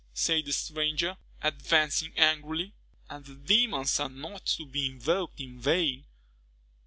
said the stranger, advancing angrily; "and the demons are not to be invoked in vain."